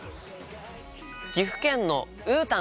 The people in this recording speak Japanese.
岐阜県のうーたんさん